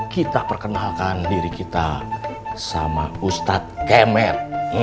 kita perkenalkan diri kita sama ustadz kemer